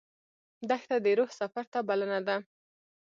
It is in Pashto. دښته د روح سفر ته بلنه ده.